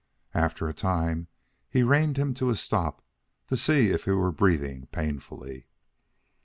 After a time he reined him in to a stop to see if he were breathing painfully.